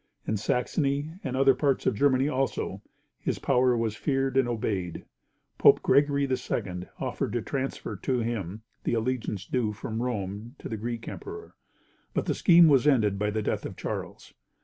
In Saxony, and other parts of Germany also, his power was feared and obeyed. Pope Gregory II. offered to transfer to him the allegiance due from Rome to the Greek emperor, but the scheme was ended by the death of Charles.